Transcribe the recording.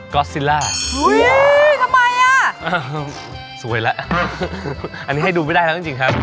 อสซิล่าทำไมอ่ะสวยแล้วอันนี้ให้ดูไม่ได้แล้วจริงครับ